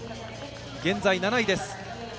現在７位です。